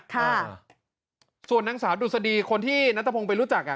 ค่ะส่วนนางสาวดุษฎีคนที่นัทพงศ์ไปรู้จักอ่ะ